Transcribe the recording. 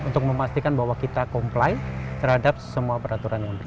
untuk memastikan bahwa kita comply terhadap semua peraturan yang berlaku